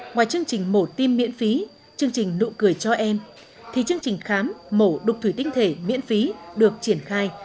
ngoài chương trình mổ tim miễn phí chương trình nụ cười cho em thì chương trình khám mổ đục thủy tinh thể miễn phí được triển khai